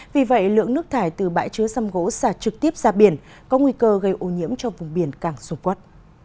vì vậy lượng nước thải từ bãi chứa xăm gỗ xả trực tiếp ra biển có nguy cơ gây ô nhiễm cho vùng biển cảng dung quất